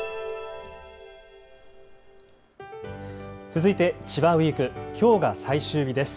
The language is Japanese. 続いて千葉ウイーク、きょうが最終日です。